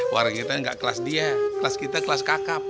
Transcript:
warung kita gak kelas dia kelas kita kelas kakap